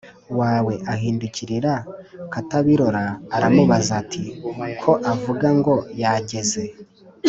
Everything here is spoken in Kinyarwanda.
wawe.” Ahindukirira Katabirora aramubaza ati: “Ko avuga ngo yageze